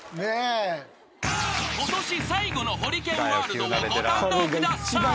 ［ことし最後のホリケンワールドをご堪能ください］